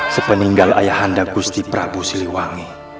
sepeninggal ayahanda gusti prabu siliwangi